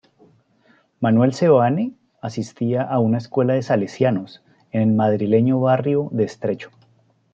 Manuel Seoane asistía a una escuela de Salesianos en el madrileño barrio de Estrecho.